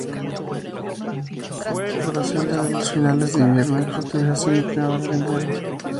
Floración desde finales de invierno y fructificación en primavera y verano.